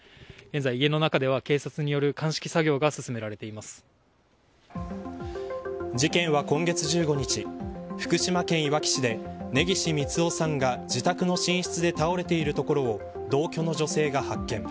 現在、家の中では警察による鑑識作業が事件は今月１５日福島県いわき市で根岸三男さんが自宅の寝室で倒れている所を同居の女性が発見。